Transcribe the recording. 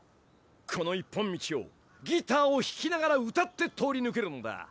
この一本道をギターをひきながら歌って通りぬけるんだ。